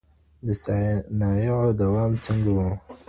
د صنايعو دوام څنګه و؟